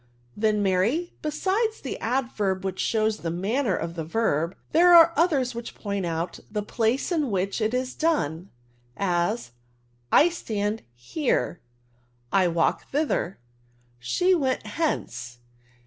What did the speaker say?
'' Then, Mary, besides the adverbs which show the manner of the verb, there are. others which point out the place in whieh it is done ; as, I stand here. I walked ikither. She went hence.